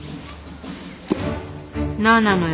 何なのよ